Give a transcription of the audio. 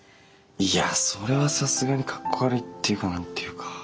いやそれはさすがにカッコ悪いっていうか何ていうか。